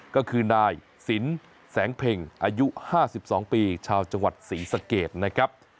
ก็คือนายสินแสงเพ็งอายุ๕๒ปีชาวจังหวัดศรีสะเกดนะครับ